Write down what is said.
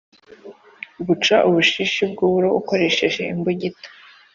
guca ubushishi bw’uburo ukoresheje imbugita